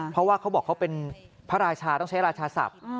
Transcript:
เพราะว่าเขาบอกเขาเป็นพระราชาต้องใช้ราชาศัพท์